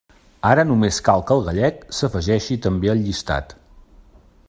Ara només cal que el gallec s'afegeixi també al llistat.